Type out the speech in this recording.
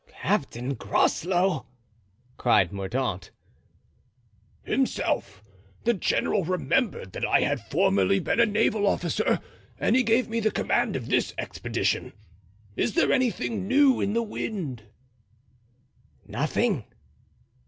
"Captain Groslow!" cried Mordaunt. "Himself. The general remembered that I had formerly been a naval officer and he gave me the command of this expedition. Is there anything new in the wind?" "Nothing."